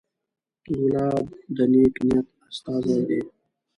ګلاب د نیک نیت استازی دی.